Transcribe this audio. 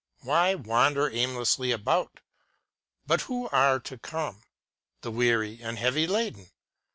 Why wander aimlessly about .? But who are to come } The weary and heavy laden